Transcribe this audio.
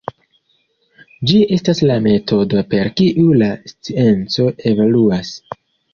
Ĝi estas la metodo per kiu la scienco evoluas.